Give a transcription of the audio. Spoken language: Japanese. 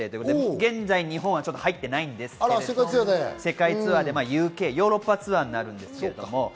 現在日本は入っていないんですが、世界ツアー、ヨーロッパツアーになります。